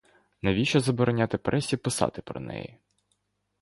Навіщо забороняти пресі писати про неї?